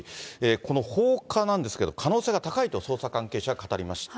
この放火なんですけれども、可能性が高いと、捜査関係者は語りました。